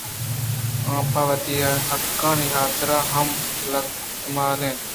آ پہ وتی حقانی حاترا ہم لگتمال اِنت